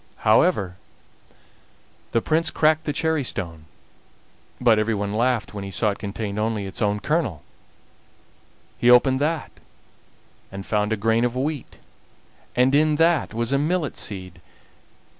However, the Prince cracked the cherry stone, but everyone laughed when he saw it contained only its own kernel. He opened that and found a grain of wheat, and in that was a millet seed.